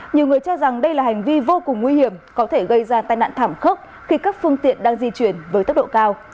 nhiều người cho rằng đây là hành vi vô cùng nguy hiểm có thể gây ra tai nạn thảm khốc khi các phương tiện đang di chuyển với tốc độ cao